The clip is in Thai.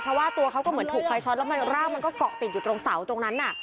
เพราะว่าตัวเขาก็เหมือนถูกไฟช็อตแล้วร่างมันก็เกาะติดอยู่ตรงเสาตรงนั้นน่ะ